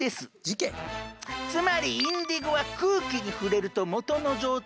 つまりインディゴは空気に触れると元の状態